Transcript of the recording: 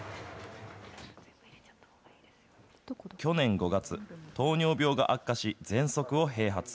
去年５月、糖尿病が悪化し、ぜんそくを併発。